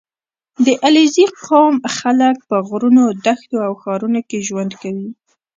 • د علیزي قوم خلک په غرونو، دښتو او ښارونو کې ژوند کوي.